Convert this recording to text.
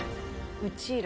うちら。